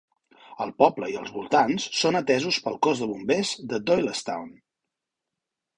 El poble i els voltants són atesos pel cos de bombers de Doylestown.